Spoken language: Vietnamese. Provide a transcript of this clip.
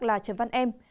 là trần văn em